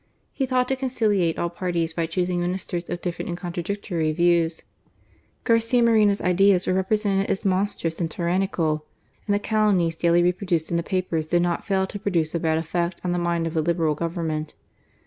He thought to conciliate all parties by choosing Ministers of different and contradictory views. Garcia Moreno's ideas were represented as monstrous and tyrannical : and the calumnies daily reproduced in the papers did not fail to produce a bad effect on the i86 GARCIA MORENO, mind of a Liberal* Government.